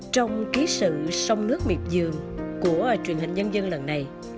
trong ký sự sông nước miệng dường của truyền hình nhân dân lần này